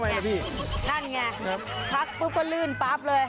อ่ะพี่นั่นไงพักปุ๊บก็ลื่นปั๊บเลย